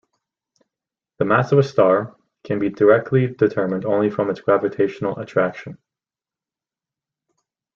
The mass of a star can be directly determined only from its gravitational attraction.